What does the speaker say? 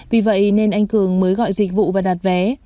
vì vậy nên anh cường mới gọi dịch vụ và đặt vé